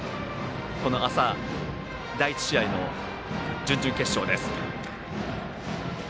朝、第１試合の準々決勝です。